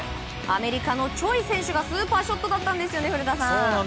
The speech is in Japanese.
アメリカのチョイ選手がスーパーショットだったんですね古田さん。